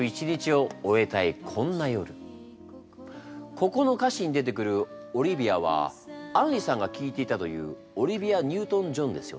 ここの歌詞に出てくるオリビアは杏里さんが聴いていたというオリビア・ニュートン・ジョンですよね？